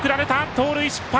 盗塁失敗！